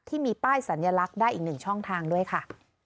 ที่มีป้ายสัญลักษณ์ได้อีกหนึ่งช่องทางด้วยค่ะ